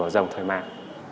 rồng thời mạc